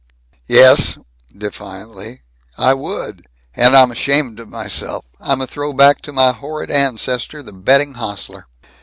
"Yes," defiantly, "I would, and I'm ashamed of myself. I'm a throw back to my horrid ancestor, the betting hostler."